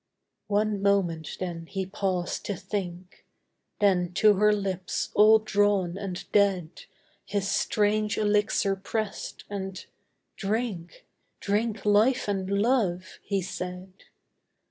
One moment then he paused to think: Then to her lips, all drawn and dead, His strange elixir pressed and "Drink! Drink life and love!" he said.